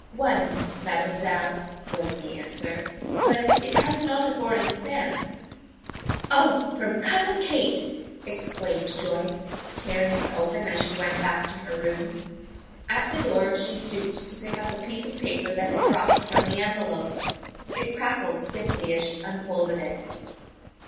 "One, mademoiselle," was the answer. "But it has not a foreign stamp." "Oh, from Cousin Kate!" exclaimed Joyce, tearing it open as she went back to her room. At the door she stooped to pick up a piece of paper that had dropped from the envelope. It crackled stiffly as she unfolded it.